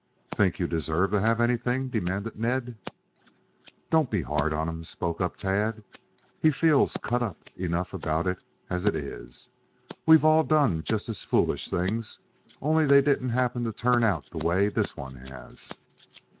"Think you deserve to have anything?" demanded Ned. "Don't be hard on him," spoke up Tad. "He feels cut up enough about it as it is. We've all done just as foolish things, only they didn't happen to turn out the way this one has."